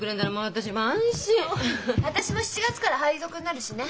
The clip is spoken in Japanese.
私も７月から配属になるしね。